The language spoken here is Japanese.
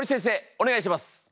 お願いします。